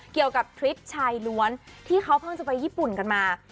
ทริปชายล้วนที่เขาเพิ่งจะไปญี่ปุ่นกันมา